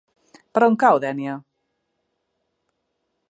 Per on cau Dénia?